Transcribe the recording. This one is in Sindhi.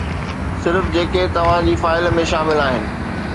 صرف جيڪي توهان جي فائل ۾ شامل آهن.